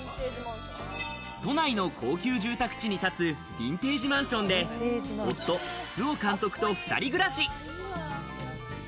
都内の高級住宅地に建つヴィンテージマンションで、夫・周防監督と２人暮らし。